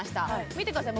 見てください